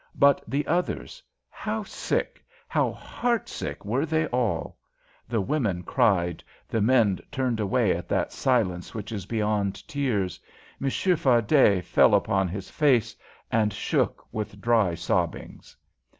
But the others, how sick, how heart sick, were they all! The women cried. The men turned away in that silence which is beyond tears. Monsieur Fardet fell upon his face, and shook with dry sobbings.